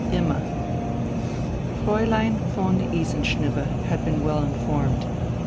VII IMMA Fräulein von Isenschnibbe had been well informed.